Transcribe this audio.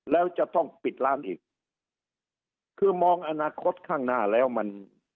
แล้วจะต้องปิดร้านอีกคือมองอนาคตข้างหน้าแล้วมัน